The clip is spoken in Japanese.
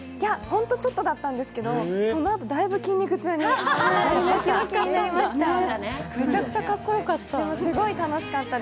ホントちょっとだったんですけど、そのあとだいぶ筋肉痛になりました。